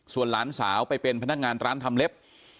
ส่วนหลานสาวไปเป็นพนักงานร้านทำเล็บ